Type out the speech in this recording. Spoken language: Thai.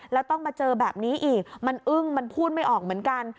แล้วต้องมาเจอแบบนี้อีกมันอึ้งมันพูดไม่ออกเหมือนกัน